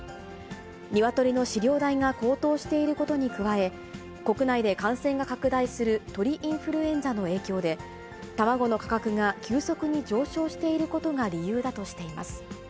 ニワトリの飼料代が高騰していることに加え、国内で感染が拡大する鳥インフルエンザの影響で、卵の価格が急速に上昇していることが理由だとしています。